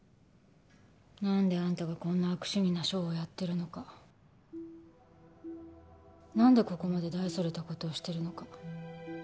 何であんたがこんな悪趣味なショーをやってるのか何でここまで大それたことをしてるのか？